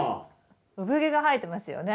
産毛が生えてますよね。